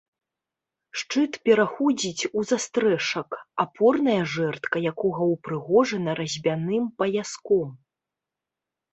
Шчыт пераходзіць у застрэшак, апорная жэрдка якога ўпрыгожана разьбяным паяском.